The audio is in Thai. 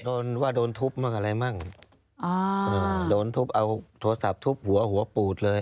โดนว่าโดนทุบมากับอะไรบ้างโดนทุบโทรศัพท์ทุบหัวปูดเลย